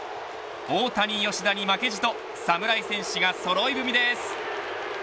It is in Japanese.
大谷、吉田に負けじと侍戦士がそろい踏みです。